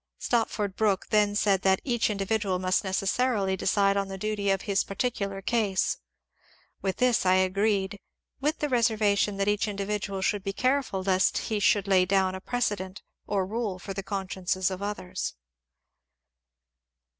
Stopford Brooke then said that each in dividual must necessarily decide on the duty of his particular case ; with this I agreed, with the reservation that each indi vidual should be careful lest he should lay down a precedent or rule for the consciences of others.